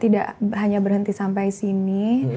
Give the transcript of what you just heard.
tidak hanya berhenti sampai sini